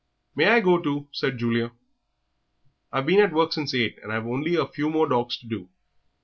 "May I go too?" said Julia. "I've been at work since eight, and I've only a few more dogs to do."